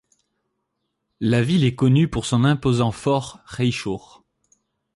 La ville est connue pour son imposant Fort Raichur.